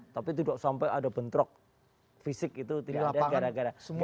tapi tidak sampai ada bentrok fisik itu tidak ada gara gara